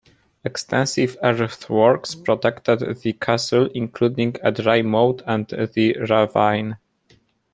Extensive earthworks protected the castle, including a dry moat and the ravine.